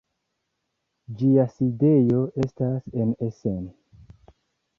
Ĝia sidejo estas en Essen.